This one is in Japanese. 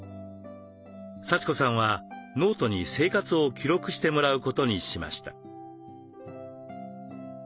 幸子さんはノートに生活を記録してもらうことにしました。